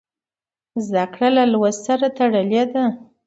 زده کړه له لوست سره تړلې ده.